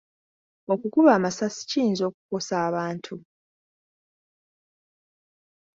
Okukuba amasasi kiyinza okukosa abantu.